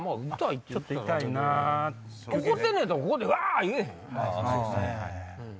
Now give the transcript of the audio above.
怒ってんねやったらここで「わ！」言えへん？